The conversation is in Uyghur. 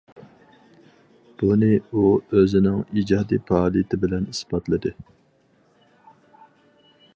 بۇنى ئۇ ئۆزىنىڭ ئىجادىي پائالىيىتى بىلەن ئىسپاتلىدى.